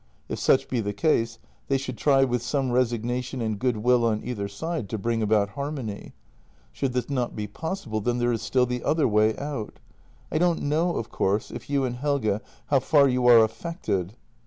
If such be the case, they should try with some resignation and goodwill on either side to bring about harmony. Should this not be possible, then there is still the other way out. I don't know, of course, if you and Helge — how far you are affected.